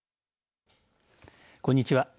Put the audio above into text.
こんにちは。